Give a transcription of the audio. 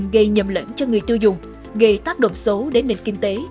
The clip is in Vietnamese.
gây nhầm lẫn cho người tiêu dùng gây tác động xấu đến nền kinh tế